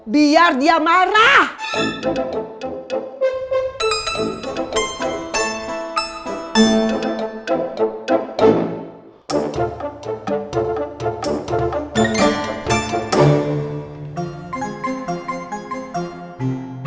biar dia marah